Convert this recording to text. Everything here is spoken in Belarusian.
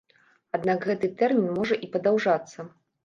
Аднак гэты тэрмін можа і падаўжацца.